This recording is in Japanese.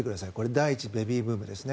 第１次ベビーブームですね。